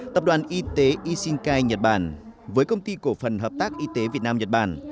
tập đoàn y tế isingkai nhật bản với công ty cổ phần hợp tác y tế việt nam nhật bản